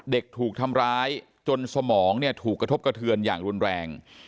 เด็กถูกทำร้ายจนสมองเนี่ยถูกกระทบกระเทือนอย่างรุนแรง